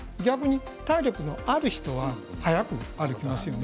体力のある人は速く歩きますよね。